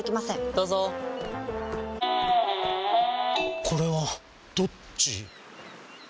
どうぞこれはどっち？